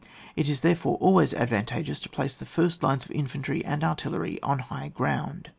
It is therefore always advan tageous to place the first lines of infantry and artillery on high ground.